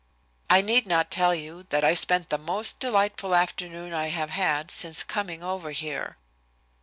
I need not tell you that I spent the most delightful afternoon I have had since coming over here.